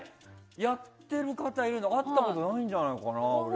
やっている方がいるの会ったことないんじゃないかな俺。